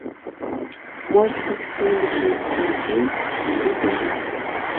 Может быть, кто-нибудь ее поколотил… обидел?